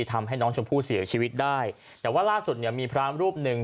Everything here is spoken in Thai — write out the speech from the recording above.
ทำให้น้องชมพู่เสียชีวิตได้แต่ว่าล่าสุดเนี่ยมีพระรูปหนึ่ง